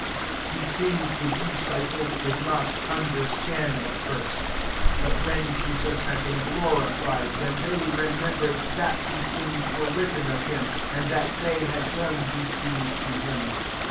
, 16 These things the disciples did not understand at first : but when Jesus had been glorified, then they remembered that these things were written <rf him, and that they had done these things to him.